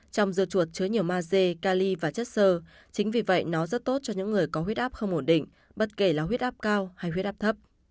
trong dưa chuột chứa nhiều ma dê cali và chất sơ chính vì vậy nó rất tốt cho những người có huyết áp không ổn định bất kể là huyết áp cao hay huyết áp thấp